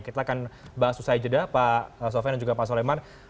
kita akan bahas usai jeda pak sofian dan juga pak soleman